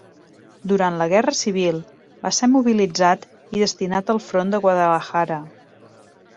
Durant la guerra civil va ser mobilitzat i destinat al front de Guadalajara.